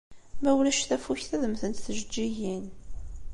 Ma ulac tafukt, ad mmtent tjeǧǧigin.